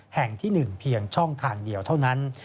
แห่งที่๑เพียงช่องทางเดียวเท่านั้น